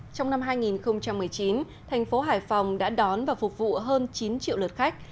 trong năm hai nghìn một mươi chín thành phố hải phòng đã đón và phục vụ hơn chín triệu lượt khách